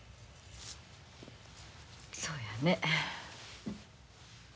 そうやね。